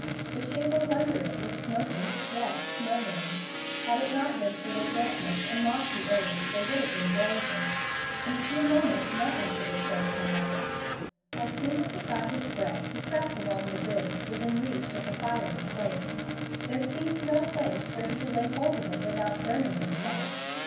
The shingles under it were smoking yes, smouldering. Had it not been for their dampness and mossy age, they would have been blazing. In a few moments nothing could have saved the house. As soon as he got his breath, he crept along the ridge within reach of the fiery flake. There seemed no place where he could lay hold of it without burning himself.